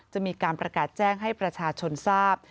จะมีการประกาศแจ้งให้ประชาชนทราบ